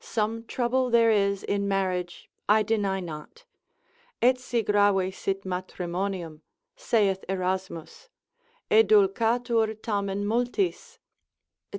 Some trouble there is in marriage I deny not, Etsi grave sit matrimonium, saith Erasmus, edulcatur tamen multis, &c.